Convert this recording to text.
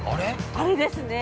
◆あれですね。